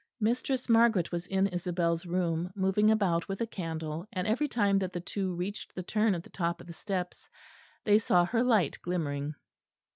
Mistress Margaret was in Isabel's room, moving about with a candle, and every time that the two reached the turn at the top of the steps they saw her light glimmering.